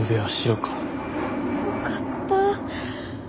よかった。